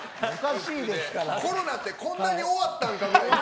コロナってこんなに終わったんかっていう。